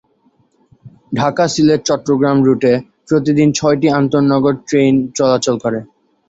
ঢাকা-সিলেট-চট্টগ্রাম রুটে প্রতিদিন ছয়টি আন্তঃনগর ট্রেন চলাচল করে।